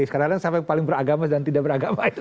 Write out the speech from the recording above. sekarang sampai paling beragama dan tidak beragama